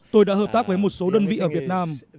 tôi đã hợp tác với một số đơn vị ở việt nam